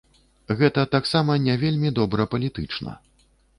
Гэта таксама не вельмі добра палітычна.